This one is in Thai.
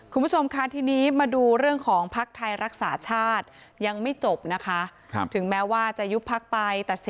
คุณผู้ชมค่ะทีนี้มาดูเรื่องของพลักษณ์ไทยรักษาชาติยังไม่จบนะคะ